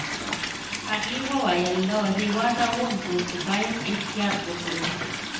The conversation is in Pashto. هغې وویل: له هیواده ووزو، خو باید احتیاط وکړو.